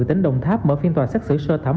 tỉnh đồng tháp mở phiên tòa xét xử sơ thẩm